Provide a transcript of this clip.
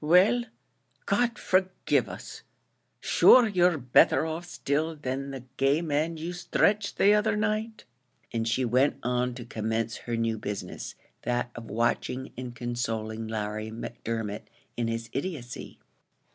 Well, God forgive us! shure you're betther off still, than the gay man you stretched the other night;" and she went on to commence her new business that of watching and consoling Larry Macdermot in his idiotcy.